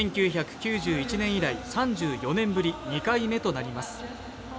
１９９１年以来３４年ぶり２回目となります